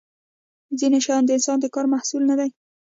ځینې شیان د انسان د کار محصول نه دي.